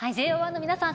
ＪＯ１の皆さん